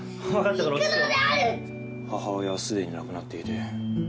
母親はすでに亡くなっていて。